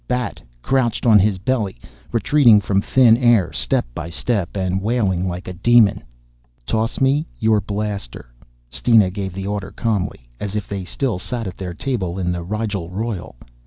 Bat, crouched on his belly, retreating from thin air step by step and wailing like a demon. "Toss me your blaster." Steena gave the order calmly as if they still sat at their table in the Rigel Royal.